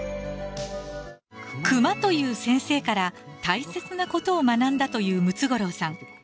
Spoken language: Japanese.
熊という先生から大切なことを学んだというムツゴロウさん。